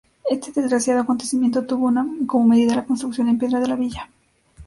Este desgraciado acontecimiento tuvo como medida la construcción en piedra de la villa.